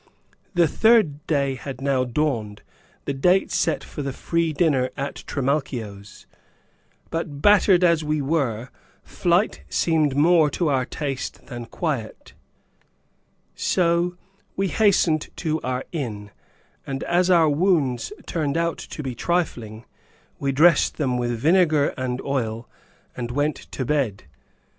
The third day had now dawned, the date set for the free dinner (at Trimalchio's,) but battered as we were, flight seemed more to our taste than quiet, so (we hastened to our inn and, as our wounds turned out to be trifling, we dressed them with vinegar and oil, and went to bed.